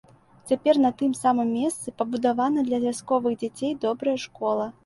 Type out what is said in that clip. Цяпер на тым самым месцы пабудавана для вясковых дзяцей добрая школа.